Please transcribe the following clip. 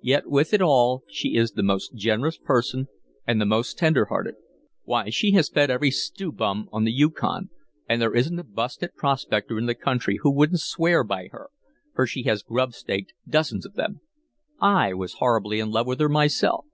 Yet, with it all, she is the most generous person and the most tender hearted. Why, she has fed every 'stew bum' on the Yukon, and there isn't a busted prospector in the country who wouldn't swear by her, for she has grubstaked dozens of them. I was horribly in love with her myself.